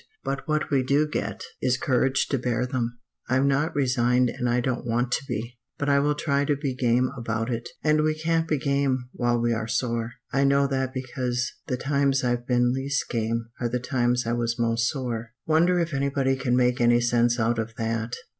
But what we do get, is courage to bear them. I'm not resigned and I don't want to be! But I will try to be game about it, and we can't be game while we are sore. I know that because the times I've been least game are the times I was most sore. Wonder if anybody can make any sense out of that?